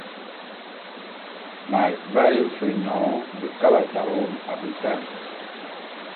B’aye fe nyoň bekabat awom a betan.